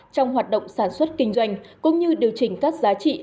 trong hoạt động sản xuất kinh doanh cũng như điều chỉnh các giá trị